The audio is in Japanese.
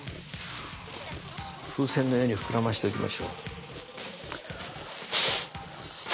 風船のように膨らませておきましょう。